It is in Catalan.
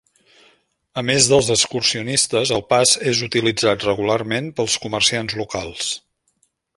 A més dels excursionistes, el pas és utilitzat regularment pels comerciants locals.